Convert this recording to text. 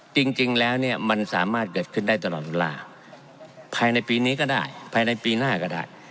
จริงแล้วเนี่ยมันสามารถเกิดขึ้นได้ตลอดเวลาภายในปีนี้ก็ได้ภายในปีหน้าก็ได้